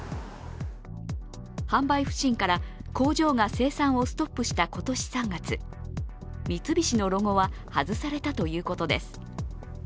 販売不振から工場が生産をストップした今年３月、三菱のロゴは外されたということです。